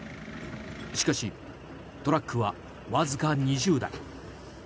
しかし、トラックはわずか２０台。